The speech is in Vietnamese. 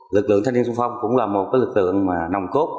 lực lượng thanh niên sung phong cũng là một lực lượng nồng cốt